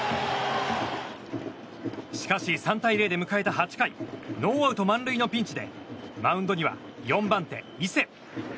しかし３対０で迎えた８回ノーアウト満塁のピンチでマウンドには４番手、伊勢。